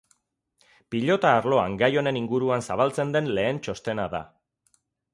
Pilota arloan gai honen inguruan zabaltzen den lehen txostena da.